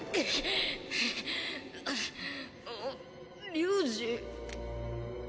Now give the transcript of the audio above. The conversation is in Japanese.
龍二。